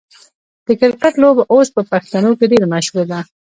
د کرکټ لوبه اوس په پښتنو کې ډیره مشهوره ده.